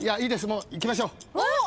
もういきましょう。